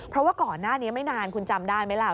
เพราะว่าก่อนหน้านี้ไม่นานคุณจำได้ไหมล่ะ